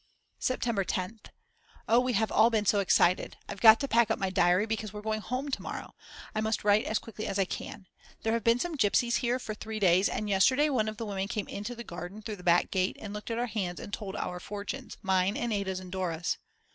September 10th. Oh we have all been so excited. I've got to pack up my diary because we're going home to morrow. I must write as quickly as I can. There have been some gypsies here for three days, and yesterday one of the women came into the garden through the back gate and looked at our hands and told our fortunes, mine and Ada's and Dora's.